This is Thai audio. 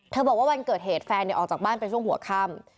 บอกว่าวันเกิดเหตุแฟนออกจากบ้านไปช่วงหัวค่ำ